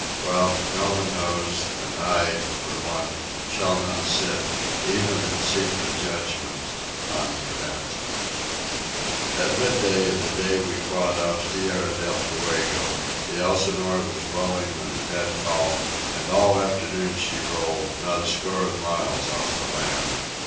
Well, no one knows, and I, for one, shall not sit, even in secret judgment, on the event. At midday of the day we clawed off Tierra Del Fuego the Elsinore was rolling in a dead calm, and all afternoon she rolled, not a score of miles off the land.